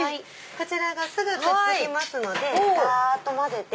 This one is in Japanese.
こちらがすぐくっつきますのでふぁっと混ぜて。